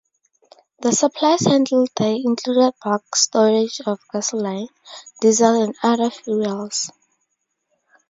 The supplies handled there included bulk storage of gasoline, diesel and other fuels.